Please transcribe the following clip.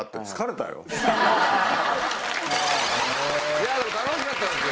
いやでも楽しかったですよ